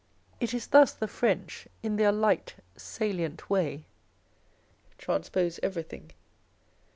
It is thus the French in their light, salient way transpose everything.